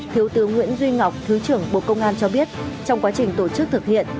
thiếu tướng nguyễn duy ngọc thứ trưởng bộ công an cho biết trong quá trình tổ chức thực hiện